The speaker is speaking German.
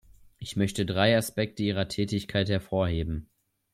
Ich möchte drei Aspekte Ihrer Tätigkeit hervorheben.